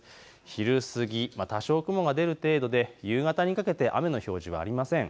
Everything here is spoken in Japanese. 昼過ぎ多少、雲が出る程度で、夕方にかけて雨の表示はありません。